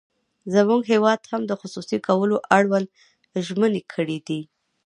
زموږ هېواد هم د خصوصي کولو اړوند ژمنې کړې دي.